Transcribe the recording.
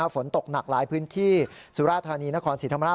ฝนตกหนักหลายพื้นที่สุราธานีนครศรีธรรมราช